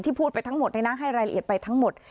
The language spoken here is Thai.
ที่พูดไปทั้งหมดในนั้นให้รายละเอียดไปทั้งหมด